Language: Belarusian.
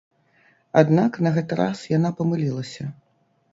Аднак на гэты раз яна памылілася.